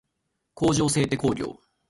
工場制手工業